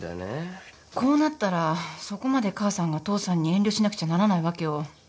こうなったらそこまで母さんが父さんに遠慮しなくちゃならない訳を突き止めようよ。